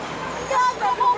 ya allah bapak